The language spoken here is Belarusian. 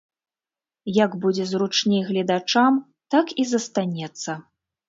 Як будзе зручней гледачам, так і застанецца.